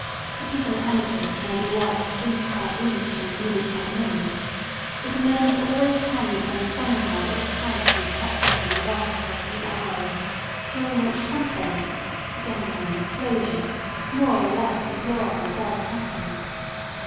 A given anarchist may be watched inch by inch and minute by minute, but a moment always comes when somehow all sight and touch of him are lost for a few hours, during which something (generally an explosion) more or less deplorable does happen.